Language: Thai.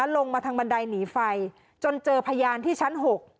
ลงมาทางบันไดหนีไฟจนเจอพยานที่ชั้น๖